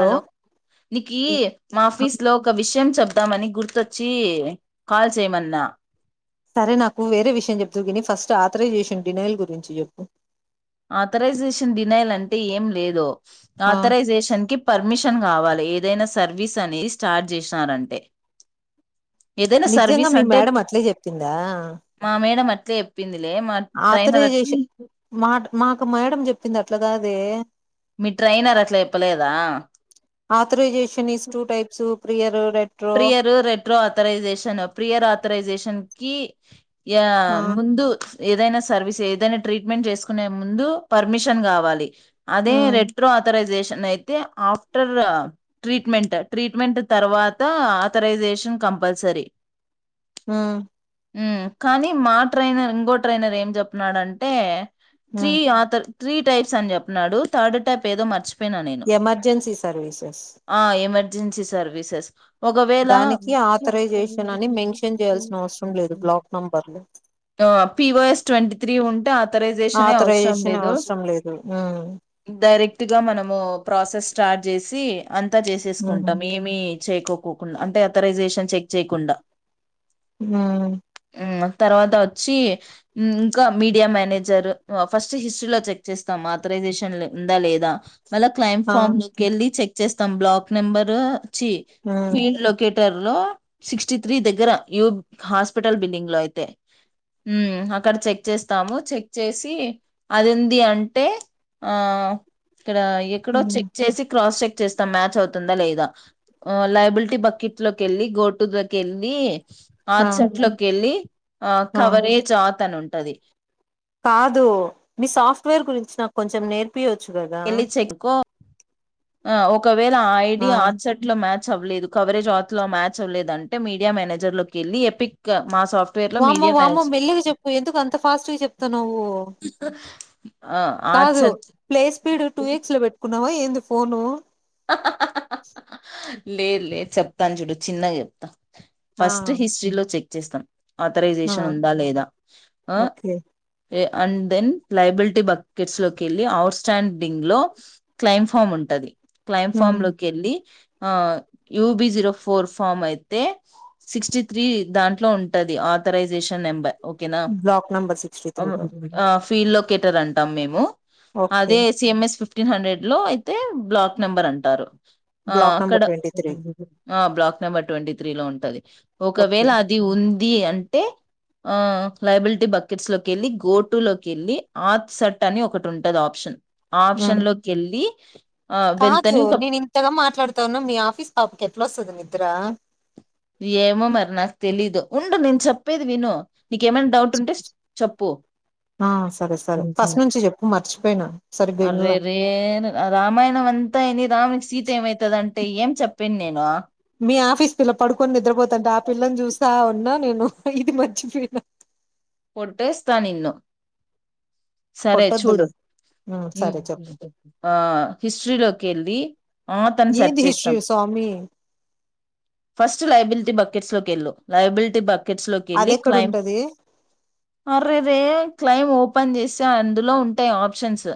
Hello నీకి హ్మ్. మా ఆ! ఆఫీస్ లో ఒక విషయం చెప్ ద్దామని గుర్తొచ్చి కాల్ చేయమన్నా సరే నాకు వేరే విషయం చెబ్దువ్ గని ఫస్ట్ ఆథరైజేషన్ డినైల్ గురించి చెప్పు ఆథరైజేషన్ డినైల్ అంటే ఏం లేదు. ఆ ఆథరైజేషన్కి పర్మిష్ షన్ కావాలి ఏదైనా సర్వీస్ అనేది స్టార్ట్ చేస్నారంటే ఏదైనా నిజంగా సర్వీస్ మీ అంటే, మేడం ట్ర్ అట్లే చెప్పిందా మా మేడం అ తేప్పింది. లేమ ట్రైనర్ వచ్చి ఆథరైజేషన్ మా మాకు మేడం చెప్పింది అట్లగాదే మీ ట్రైనర్ అట్లా ఎప్పలేదా ఆతరెజెష్ షన్ is two types prior retro prior, retro authorisation prior authorisation కీ యా ఆ ముందు ఏదైనా సర్వీస్ ఏదైనా ట్రీట్మెంట్ చేసుకునే ముందు పర్మిషన్ కావాలి. అదే ఉమ్ రెట్రో అథొరైజేష్ షన్ అయితే ఆఫ్టర్ ట్రీట్మెంట్ ట్రీట్మెంట్ తర్వా తా ఆథరైజేషన్ కంపల్సరీ ఊ కానీ మా ట్రైనర్ ఇంకో ట్రైనర్ ఏం చెంప్నానంటే త్రీ ఉమ్ ఆతర్ త్రీ టైప్స్ అని చెప్నాడు, థార్డ్ టైప్ ఏదో మర్చ్ ఎమర్జెన్సీ సర్వీసెస్ ర్జెన్సీ సర్వీసెస్ ఒకవేళ, దానికి ఆథరైజేషన్ అని మెన్షన్ చేయాల్సిన అవసరం లేదు బ్లాక్ నంబర్లు ఒ పిఓఎస్ ట్వంటీ త్రీ ఉ తా ఆథరైజేషనే అవసరం ఆథరైజేషన్ లేదు, అవసరం లేదు ఉమ్ డైరెట్ పూర్తిగా మనము ప్రాసెస్ స్టార్ట్ చేసి అంతా చేసేసుకుంటాం ఉమ్ ఏమి చేకు కోకుండా అంటే అతరైజేషన్ చెక్ చేయకుండా ఆ తర్వాత వచ్చి ఇంకా మీడియా మేనేజర్ ఫస్ట్ హిస్టరీలో చెక్ చేస్తాం ఆథరైజేషన్ ఉందా లేదా మల్ల క్లైమ్ ఆ ఫార్మ లోకెల్లీ చెక్ చేస్తాం బ్లాక్ నెంబరు చీ ఉమ్ ఫీల్డ్ లోకేట్ లొకేటర్ లో సిక్స్టీ త్రీ దగ్గర హాస్పిటల్ బిల్డింగ్ లో అయితే అక్కడ చెక్ చేస్తాము చెక్ చేసి అది ఉంది అంటే ఇక్కడ ఎక్కడో ఉమ్ చెక్ చేసి క్రాస్ చెక్ చేస్తా మ్యాచ్ అవుతుందా లేదా లే బుల్టీ బకెట్ లోకిళ్ళి గోటు లోకి వెళ్ళి ఆ ఆత్ సర్చ్ లోకెళ్ళి ఆ కవరేజ్ ఆత్ అని ఉం ఉంటాది కాదు మీ సాప్ట్ వేర్ గురించి నాకు కొంచెం నేర్ నేర్పియోచ్చు కదా ఆ ఓక్ ఒకవేళ ఆ ఐడి ఆట్సెట్టొ మ్యాచ్ చ్ అవ్వలేదు కవరేజ్ ఆత్ లో మ్యాచ్ అవ్వలేదు అంటే మీడియా మేనేజర్ లోకి వెళ్ళి ఎపిక్ మా సాఫ్ట్వేర్ లో వామ్మో మీడియా వామ్మో మేనేజ్ మెల్లిగా చెప్పు ఎందుకు అంత ఫాస్ట్ గా చెప్తున్నావు ఆట్ కాదు set play speed two X లో పెట్టు కున్నావా ఏంది పోను లేదు లే చెప్తాను చూడు చిన్నగా చెప్తా ఆ ఫస్ట్ హిస్టరీలో చెక్ చేస్తా ఆ ఆథరైజేషన్ ఉందా లేదా ఆ okay and then liability buckets లోకి వెళ్ళి అఔట్ స్టాండింగ్ లో క్లైమ్ ఫామ్ ఉంటుది క్లైమ్ ఫామ్ ఉమ్ లోకి వెళ్లి ఆ యూబి జీరో ఫోర్ ఫామ్ అయితే సిక్స్టీ త్రీ దాంట్లో ఉంటది ఆథరైజేషన్ నెంబర్ ఓకేనా బ్లాక్ నంబర్ సిక్స్టీ త్రీలో ఫీల్ లొకెటర్ అంటాం మేము ఓకే అదే సిఎంఎస్ ఫిఫ్ ఫిఫ్టీన్ హండ్రెడ్ లో అయితే బ్లాక్ నెంబర్ అంటారు ఆ బ్లాక్ అక్కడ నంబర్ ట్వంటీ త్రీ ఆ బ్లాక్ నెంబర్ ట్వంటీ త్రీలో ఉంటది ఒకవేళ ఓకే అది ఉన్ ఉంది అంటే ఆ లయబిలిటీ బకెట్స్ లోకి వెళ్ళి గోటు లోకి వెళ్ళి ఆత్ సట్ అని ఒకటి ఉంటది ఆప్షన్ ఆప్షన్ ఉమ్ లోకి వెళ్ళి ఆ కాదు వెళ్తని ఒక నేను ఇంతగా మాట్లాడుతాన్నా మీ ఆఫీస్ పాపకి ఎట్లా వస్తుంది మీది అ్రా ఏమో మరి నాకు తెలీదు ఉండు నేను చెప్పేది విను నీకేమైనా డౌట్ ఉంటే చెప్పు ఆ సరే సరే ఫస్ట్ నుంచి చెప్పు మర్చిపోయినా సరిగ్గా ఇన్లా అరే రే రామాయణం అంతా విని రాడునికి సీత ఏమైతది అంటే ఏం చెప్పేది నేను మీ ఆఫీస్ పిల పడుకొని నిద్రపోతంటే ఆ పిల్లని చూసి ఉన్నా నేను ఇది మర్చిపోయినా కొట్టేస్తా నిన్ను సరే కొట్టొద్దులే చూడు ఉమ్ సరే చెప్పు అ హిస్టరీలోకి వెళ్ళి ఆ తను సర్చ్ ఏంది హిస్టరీ చేస్తాం స్వామి ఫస్ట్ లైబిలిటీ బ ట్ లో క్ ఎల్లు లయాబిలిటీ క్ బా అది ఎక్కడుంటది అరే రే క్లైమ్ ఓపెన్ చేస్తే అందులో ఉంటాయి ఆప్షన్స్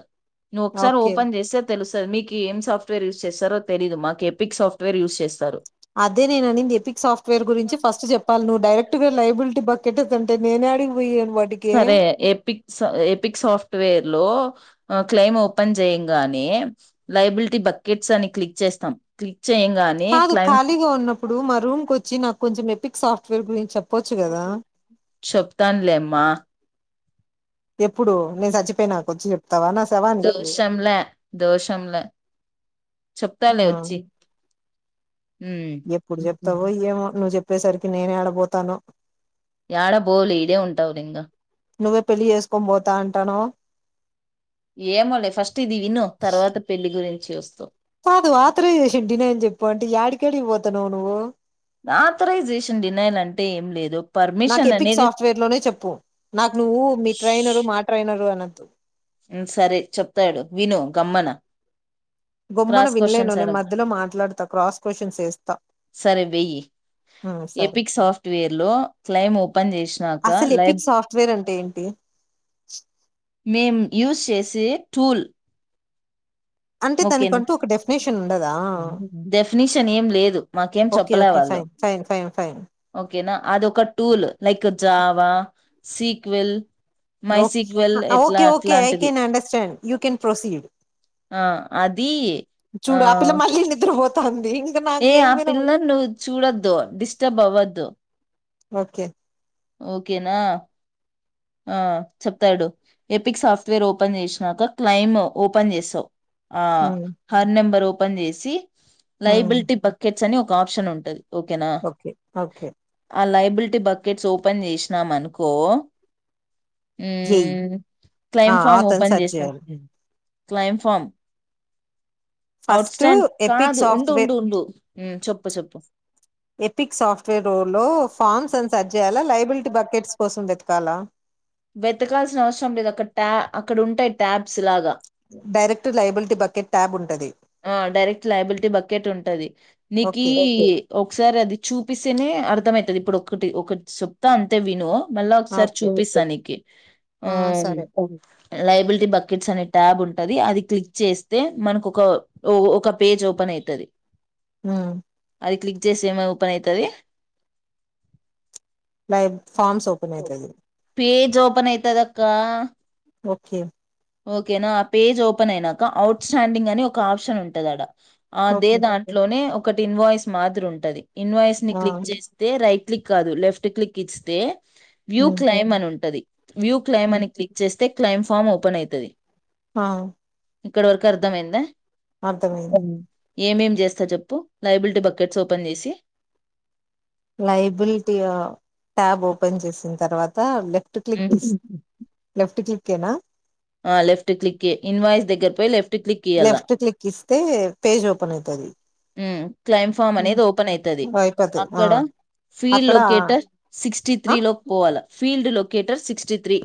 నువ్వు ఒకసారి ఓకే ఓపెన్ చేస్తే తెలుసుా సార్ మీకు ఏం సాఫ్ట్వేర్ యూస్ చేస్తారో తెలీదు మాకు ఎపిక్ సాఫ్ట్వేర్ యూస్ చేస్తారు అదే నేను అనింది ఎపిక్ సాఫ్ట్వేర్ గురించి ఫస్ట్ చెప్పాలి నువ్వు డైరెక్ట్ గా లైబిలిటీ బక్కెట్టదంటే నేనే ఆడిపోవా సరే ఏపిక్స్ ఏపిక్స్ సాఫ్ట్వేర్ లో అక్లెయిమ్ ఓపెన్ చేయంగానే లైబిలిటీ బకెట్స్ అని క్లిక్ చేస్తాం క్లిక్ చేయంగానే కాదు క్లైమ్ ఖాళీగా ఉన్నప్పుడు మా రూమ్ కు వచ్చి నాకు ప్పుడు కొంచం ఎపిక్ సాఫ్ట్వేర్ గురించి చెప్ చెప్తానులేమ్మా ఎప్పుడు నేను సచ్చిపోయినా దోషంలా దోషంలా చెప్తాలే ఆ వచ్చి ఉమ్ ఎప్పుడు చేప్తావో ఎమో నువ్యు చేప్ చెప్పేసరికి నేనే ఆడబోతాను యడబోవులే ఈదే ఉంటావులే ఇంక నువ్వే పెళ్లిి చేసుకొనిపోతా అంటాను ఏమోలే ఫస్ట్ ఇది విను తర్వాత పెళ్లిి గురించి చేస్తావ్ సాదు ఆత్ర చేసిండి నం చెప్పు అంటే యడ్కి యడ్కి పోతా తనవు నువ్వు ఆథరైజేషన్ డినైల్ అంటే ఏం లేదు నాకు పర్మిషన్ ఎపిక్ అనేది సాఫ్ట్వేర్ లోనే చెప్పు నాకు నువ్వు మీ ట్రైనరు మా ట్రైనరు అన్నంత మ సరే చెప్తాడు విను గమ్మన గొమ్మన క్రాస్ వినలేను క్వశ్చన్స్ నే అడగు మధ్యలో మాట్లాడతా, క్రాస్ క్వశ్చన్స్ వేస్తా. సరే వెయ్యి ఉమ్ సరే ఎపిక్ సాఫ్ట్వేర్ లో క్లైమ్ ఓపెన్ చేసినాక అసలు లైబ్ ఎపిక్ సాఫ్ట్వేర్ అంటే ఏంటి? మేము యూజ్ చేసే టూల్ అంటే ఓకేనా దానికంటూ ఒక డెఫినేషన్ ఉండదా డెఫినిషన్ ఏం లేదు మాకేం ఓకే చెప్పలే ఓకే వాళ్ళు ఫైన్ ఫైన్ ఫైన్ ఫైన్ ఓకేనా అదొ ఒక tool like Java SQL my okay SQL ఆ ఎట్లా ఓకే ఓకే ఐ అట్లాంటిది can understand you can proceed ఆ అది ఆ పోతన్ ఏ ఆ పిల్లర్ ను చూడొద్దు డిస్టర్బ్ అవ్వద్దు ఓకే ఓకేనా ఆ చెప్తాడు ఏపిక్ సాఫ్ట్వేర్ ఓపెన్ చేసినాక క్లైమ్ ఓపెన్ చేసావు ఆ ఉమ్ హర్ నంబర్ ఓ పని చేసి ఉమ్ లైబిలిటీ బకెట్ అని ఒక ఆప్షన్ ఉంటుది ఓకేనా ఓకే ఓకే ఆ లైబ్ బిల్టీ బకెట్స్ ఓపెన్ చేసినాం అనుకో జేఈ ఆ క్లెయిమ్ ఫామ్ అతను ఓపెన్ సెర్చ్ చేస్తాం చేయాలి claim form out first stand Epic కాదు ఉండు సాఫ్ట్వేర్ ఉండు ఉండు ఉమ్ చొప్పు చొప్పు ఎపిక్ సాఫ్ట్వేర్ రోల్ లో ఫామ్స్ అని సర్ చేయాలా లైబిలిటీ బకెట్స్ కోసం వెతకాలా వెతకాల్సిన అవసరం లేదు అక్కడ ట్యా అక్కడ ఉంటాయి ట్యాబ్స్ లాగా డైరెక్ట్ లైబిలిటీ బకెట్ ట్యాబ్ ఉంటది ఆ డైరెక్ట్ లయబిలిటీ బకెట్ ఉంటది నికీ ఓకే ఒక్ సారి అది చూపిస్తేనే అర్థమైతది ఇప్పుడు ఒకటి ఒకట్ చొప్తా అంతే వినూ మళ్ళా ఒక్ సారి ఓకే చూపిస్తా నిక్ కె ఆ ఆమ్ సరే లైబుల్టీ బకెట్స్ అనే ట్యాబ్ ఉంటది అది క్లిక్ చేస్తే మనకు ఒక ఒక ఒక పేజ్ ఓపెన్ అయితది ఆ అది క్లిక్ చేస్తే ఏమన్ ఓపెన్ అయితది లైవ్ ఫార్మ్స్ ఓపెనైతది పేజ్ ఓపెన్ అయితదక్క ఓకే ఓకేనా ఆ పేజ్ ఓపెన్ అయినాక ఔట్ స్టాండింగ్ అని ఒక ఆప్షన్ ఉంటదాడ అదే ఓకే దాంట్లోనే ఒక్ ఒకటి ఇన్వాయిస్ మాదిరుంటది. ఇన్వాయిస్ని ఆ క్లిక్ చేస్తే రై క్లిక్ కాదు లెఫ్ట్ క్లిక్ ఇస్తే వ్యూ ఉమ్ క్లైమ్ అనుంటది వ్యూ క్లైమ్ ఉమ్, అని క్లిక్ చేస్ క్లైమ్ ఫామ్ ఓపెన్ అయితది ఆ ఇక్కడ వరకు అర్ధమైందా అర్థమైంద్ ఏమేం చేస్త చెప్పు లైబిలిటీ బకెట్స్ ఓపెన్ చేసి లైబుల్టి ఆ ట్యాబ్ ఓపెన్ చేసిన్ తర్వాత లె టు క్లిక్ ఐస్ లెఫ్ట్ క్లిక్ కేనా ఆ లెఫ్ట్ క్లిక్కే ఇన్వాయిస్ దగ్గర పొయి లెఫ్ట్ టు క్లిక్ ఇయ్యల్ల లెఫ్ట్ క్లిక్ ఇస్తే పేజ్ ఓపెన్ అయితది ఉమ్ క్లైమ్ ఫామ్ ఉమ్ అనేది ఓపెన్ అయితది. అయిపోతది ఆ అక్కడ ఫీల్డ్ అక్కడ లొకేటర్ సిక్స్టీ ఆ త్రీ లోక్ పోవాల field locator sixty three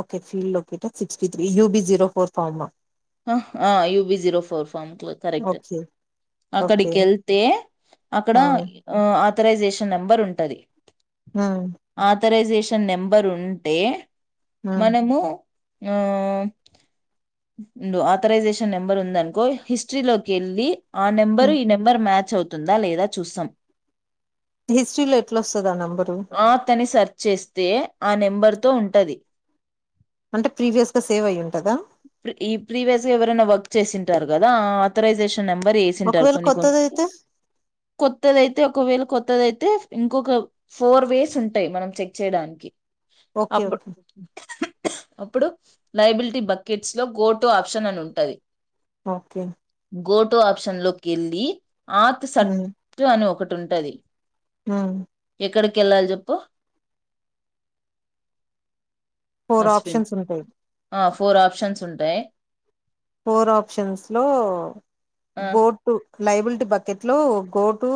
okay field locator sixty three UB zero four pharma ఆహా UB zero four form correct okay okay అక్కడికెళ్తే ఆ అక్కడా ఆ థరైజేషన్ నెంబర్ ఉంటది. మ్ ఆథరైజేషన్ నెంబర్ ఉంటే ఉమ్ మనము మ్ ఆథరైజేషన్ నెంబర్ ఉందనుకో హిస్టరీలోకెళ్ళి ఆ నెంబరు ఈ నెంబర్ మ్యా అవుతుందా లేదా చూస్తాం హిస్టరీలో ఎట్ల వస్తది ఆ నెంబరు ఆత్ అని సెర్చ్ చేస్తే ఆ నెంబర్తో ఉంటది. అంటే ప్రీవియస్గా సేవ్ అయ్యి ఉంటదా ఈ ప్రీవియస్గా ఎవరైనా వర్క్ చేసింటారు కదా ఆ ఆథరైజేషన్ నెంబర్ ఏసింటారు ఒకవేళ కొన్ని కొ కొత్తదయితే కొత్తోల్లైతే ఒకవేళ కొ కొత్తదయితే ఇంకొక ఫోర్ వేస్ ఉంటాయి మనం చెక్ చేయడానికి ఓకే అప్పు ఓకే అప్పుడు లయబిలిటీ బ కిట్స్ లో గో టు ఆప్షన్ అని ఉంటుది ఓకే గోటు ఆప్షన్ లోకి వెళ్ళి ఆత్ సత్తు అని ఒకటి ఉంటది ఆ ఎక్కడికి వెళ్ళాలి చెప్పు ఫోర్ మర్చిపోయింది ఆప్షన్స్ ఉంటాయి ఆ ఫోర్ ఆ ఆప్షన్స్ ఉంటాయి ఫోర్ ఆప్షన్స్ లో ఆ గో టు లైబుల్టి బకెట్లొ గోటు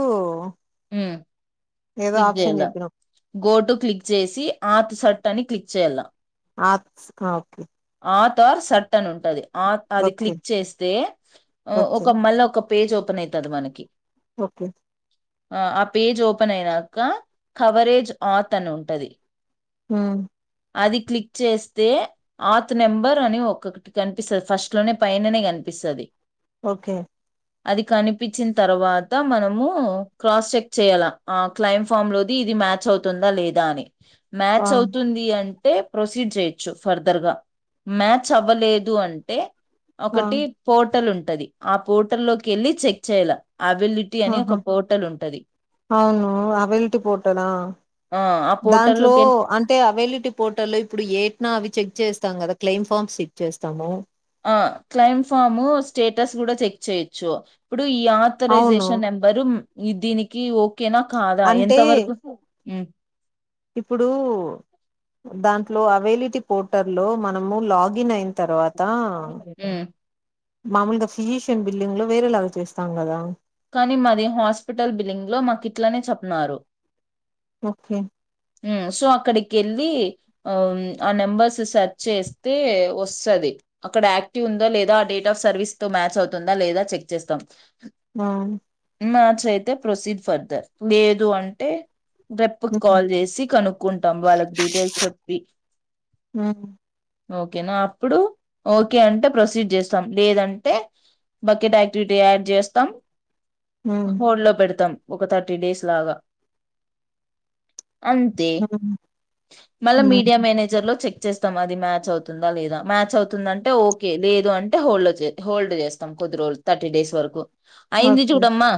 హ్మ్ క్లిక్ చేయాల చెప్పినావ్ గోటు క్లిక్ చేసి ఆతు సర్ దాన్ని క్లిక్ చేయల ఆక్స్ ఆ ఓకే ఆ తార్ సర్ట్ అని ఉంటది ఆ అది ఓకే క్లిక్ చేస్తే ఓకే ఒక మళ్ళ ఒక పేజ్ ఓపెన్ అయితాది మనకి ఓకే ఆ ఆ పేజ్ ఓపెన్ అయినాక కవరేజ్ ఆత్ అని ఉంటది హ్మ్ అది క్లిక్ చేస్తే ఆత్ నెంబర్ అని ఒకటి కనిపిస్తది ఫస్ట్ లోనే పైననే కనిపిస్తది ఓకే. అది కనిపించిన తర్వాత మనము క్రాస్ చెక్ చేయ్యాల ఆ క్లైమ్ ఫామ్ లోది ఇది మ్యాచ్ అవుతుందా లేదా అని. ఆ మ్యాచ్ అవుతుంది అం ప్రొసీడ్ చేయొచ్చు ఫర్ ర్దగా మ్యాచ్ అవ్వలేదు అంటే ఆ ఒకటి పోర్టల్ ఉం ఉంటాది ఆ పోర్టల్ లోకెళ్లి చెక్ చేయ్యాల ఆహా అవును అవైలిటీ పోర్టలా ఆ ఆ దాంట్లో పోర్టల్లోకి వెళ్ళి అంటే అవైలిటీ పోర్ట్ ల్లో ఇప్పుడు ఏట్నా అవి చెక్. చేస్తాం కదా క్లెయిమ్ ఫామ్స్ సిక్ చేస్తాము. క్లెయిమ్ ఫాము స్టేటస్ కూడా చెక్ చేయొచ్చు. ఇప్పుడు ఈ అవును ఆథరైజేషన్ నెంబరు దీనికి ఓ ఓ కేనా కాదా అంటే ఎంత వరకు హ్మ్ ఇప్పుడు దాంట్లో అవైలిటీ పోర్టల్లో మనము లాగిన్ అయిన తర్వాత. హ్మ్ మామూలుగా ఫిజీషన్ బిల్లింగ్ లో వే ఎలా చేస్తాం కదా. కానీ మాది హాస్పిటల్ బిల్లింగ్ లో మాకి ఇట్లనే చెప్నారు. ఓకే. సో అక్కడికి వెళ్ళి ఆ ఆ నెంబర్స్ సెర్చ్ చేస్తే వస్తది అక్కడ యాక్టివ్ ఉందా లేదా ఆ డేట్ ఆఫ్ సర్వీస్ తో మ్యాచ్ అవుతుందా లేదా చెక్ చేస్తాం.. ఆ మార్చ్ అయితే ప్రొసీడ్ ఫర్దర్ లేదు అంటే. రెప్ ఉమ్ కాల్ చేసి కనుక్కుంటాం వాళ్ళకి డీటెయిల్స్ చెప్పి. ఉమ్ ఒకే నా అప్పుడు ఓకే అంటే ప్రొసీడ్ చేస్తాం లేదంటే బకెట్ యాక్టివిటీ యాడ్ చేస్తాం. ఉమ్ హోల్డ్ లో పెడతాం. ఒక థర్టీ డేస్ లాగా. అంతే ఉమ్ మళ్ళా మీడియా ఉమ్ మేనేజర్ లో చెక్. వచ్చేస్తాం అది మ్యాచ్ అవుతుందా లేదా మ్యాచ్ అవుతుందంటే ఓకే లేదు అంటే హోల్డ్ హోల్డ్ చేస్తాం కొద్ది రోజులు థర్టీ డేస్ వరకు. అయింది ఓకే చూడమ్మా.